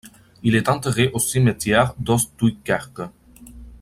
Il est enterré au cimetière d’Osstduikerke.